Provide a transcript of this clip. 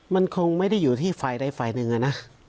มันคงไม่ได้อยู่ที่ไฟใดไฟหนึ่งนะ